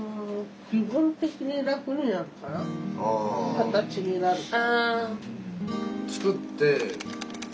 形になると。